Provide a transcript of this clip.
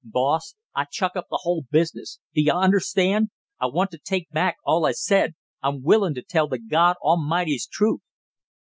"Boss, I chuck up the whole business; do you understand? I want to take back all I said; I'm willin' to tell the God A'mighty's truth!"